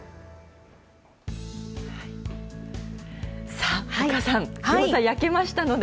さあ、丘さん、餃子焼けましたので。